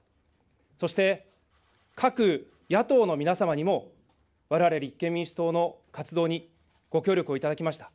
そして、各野党の皆様にもわれわれ立憲民主党の活動にご協力をいただきました。